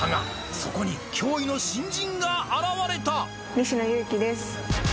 そこに脅威の新人が現れた。